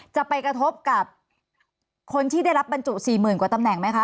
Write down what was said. จะไปกระทบกับคนที่ได้รับบรรจุ๔๐๐๐กว่าตำแหน่งไหมคะ